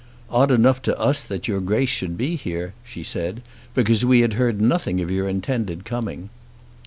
"Odd enough to us that your Grace should be here," she said, "because we had heard nothing of your intended coming."